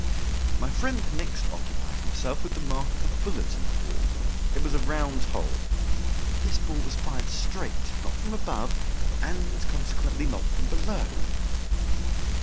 My friend next occupied himself with the mark of the bullet in the wall. It was a round hole. "This ball was fired straight, not from above, and consequently, not from below."